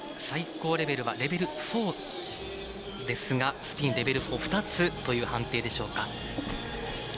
最高レベルはレベル４ですがスピン、レベル４２つという判定でしょうか。